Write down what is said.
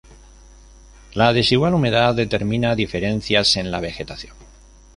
La desigual humedad determina diferencias en la vegetación.